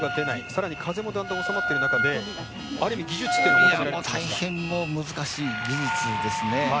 さらに風もだんだん収まっている中で大変もう難しい技術ですね。